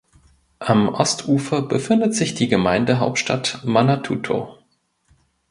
Am Ostufer befindet sich die Gemeindehauptstadt Manatuto.